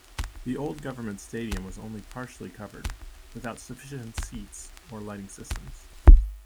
The old Government Stadium was only partially covered, without sufficient seats or lighting systems.